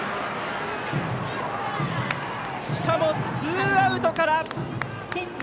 しかもツーアウトから。